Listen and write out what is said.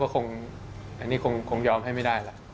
ก็คงยอมให้ไม่ได้แหละ